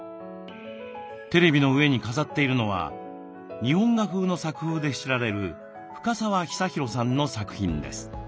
テレビの上に飾っているのは日本画風の作風で知られる深沢尚宏さんの作品です。